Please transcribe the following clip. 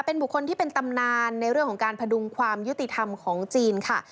เป็นบุคคลที่เป็นตำนานในเรื่องของการพดุงความยุติธรรมของจีนค่ะ